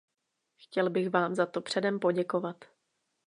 Chtěl bych vám za to předem poděkovat.